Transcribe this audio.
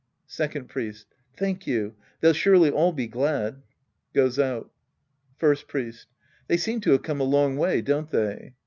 Second Priest. Thank you. They'll surely all be glad. (Goes out.) First Priest. They seem to have come a long way, don't they